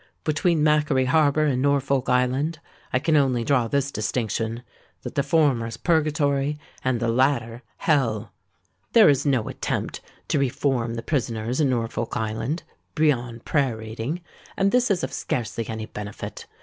Between Macquarie Harbour and Norfolk Island I can only draw this distinction—that the former is Purgatory, and the latter Hell! "There is no attempt to reform the prisoners in Norfolk Island, beyond prayer reading—and this is of scarcely any benefit.